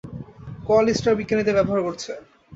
কোয়ালিস্টরা বিজ্ঞানীদের ব্যবহার করছে।